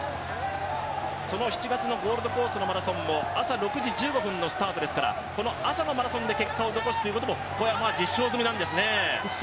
その７月のゴールドコーストのマラソンも朝６時１５分のスタートですから朝のマラソンで結果を残すということも、小山は実証済みなんですね。